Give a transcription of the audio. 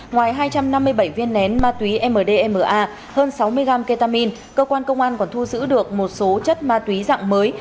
ngoài hai trăm năm mươi bảy viên nén ma túy mdma hơn sáu mươi gram ketamin cơ quan công an còn thu giữ được một số chất ma túy dạng mới